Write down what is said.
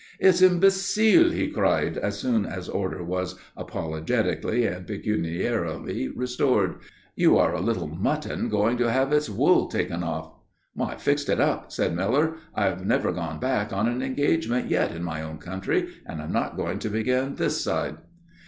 "It's imbecile," he cried, as soon as order was apologetically and pecuniarily restored. "You are a little mutton going to have its wool taken off." "I've fixed it up," said Miller. "I've never gone back on an engagement yet in my own country and I'm not going to begin this side."